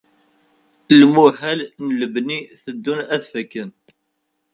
Imuhal n lebni teddun ad fakken.